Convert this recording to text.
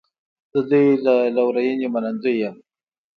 د دوی له لورینې منندوی یم.